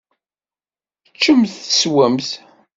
Ččemt teswemt.